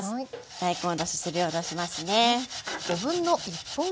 大根おろしすりおろしますね。